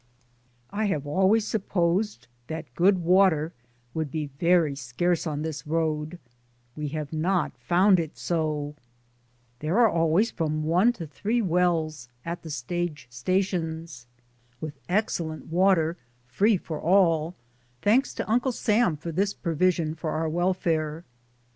I have always supposed that good water would be very scarce on this road; we have not found it so, there are always from one to three wells at the stage stations, with ex cellent water, free for all — thanks to Uncle Sam for this provision for our welfare.